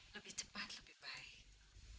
lebih cepat lebih baik